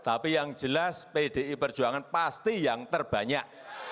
tapi yang jelas pdi perjuangan pasti yang terbanyak